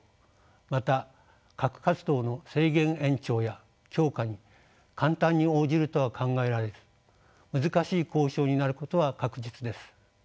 また核活動の制限延長や強化に簡単に応じるとは考えられず難しい交渉になることは確実です。